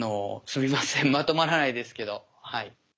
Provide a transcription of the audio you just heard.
すみませんまとまらないですけどはい。